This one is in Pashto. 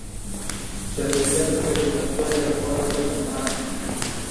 چاپیریال ته د ککړتیا زیاتوالی خطرناک دی.